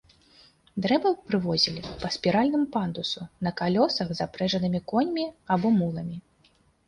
Дрэва прывозілі па спіральным пандусу на калёсах, запрэжанымі коньмі або муламі.